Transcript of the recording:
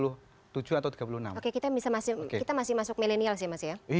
oke kita masih masuk milenial sih mas ya